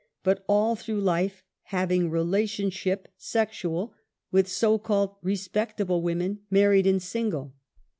'"— But all through life having relationship sexual with so called ^respectable women, married and single.